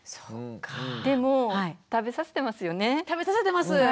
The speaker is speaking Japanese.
でも食べさせてますよね。